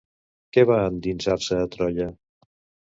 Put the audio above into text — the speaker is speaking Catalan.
Què va endinsar-se a Troia?